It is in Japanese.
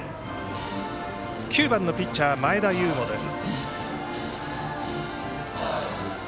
９番のピッチャー、前田悠伍です。